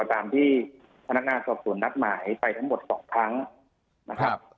ตามที่พนักงานสอบสวนนัดหมายไปทั้งหมด๒ครั้งนะครับ